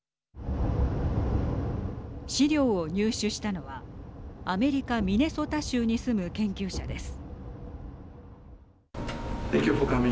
資料を入手したのはアメリカ、ミネソタ州に住む研究者です。